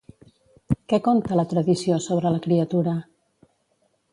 Què conta la tradició sobre la criatura?